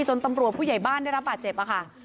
ตำรวจผู้ใหญ่บ้านได้รับบาดเจ็บค่ะ